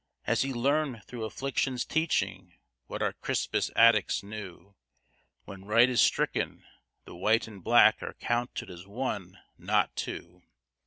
Has he learned through affliction's teaching what our Crispus Attucks knew When Right is stricken, the white and black are counted as one, not two?